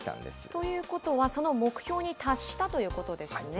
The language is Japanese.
ということは、その目標に達したということですね。